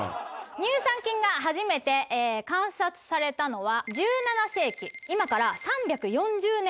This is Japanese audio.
乳酸菌が初めて観察されたのは１７世紀今から。